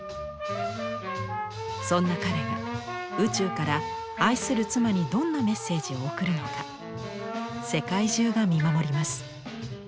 そんな彼が宇宙から愛する妻にどんなメッセージを送るのか世界中が見守ります。